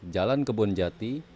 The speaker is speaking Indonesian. jalan kebon jati